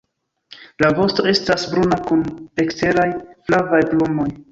La vosto estas bruna kun eksteraj flavaj plumoj.